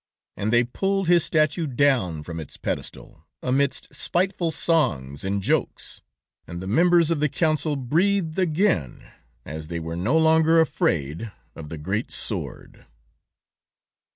"And they pulled his statue down from its pedestal, amidst spiteful songs and jokes, and the members of the Council breathed again ... as they were no longer afraid of the great sword."